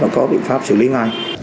và có biện pháp xử lý ngay